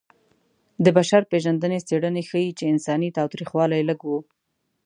د بشر پېژندنې څېړنې ښيي چې انساني تاوتریخوالی لږ و.